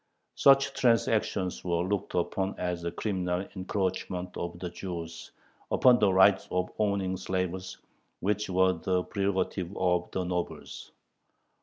Such transactions were looked upon as a criminal encroachment of the Jews upon the right of owning slaves, which was the prerogative of the nobles.